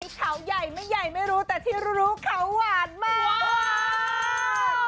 เฉาใหญ่ไม่ใหญ่ไม่รู้แต่ที่รู้เขาหวานมาก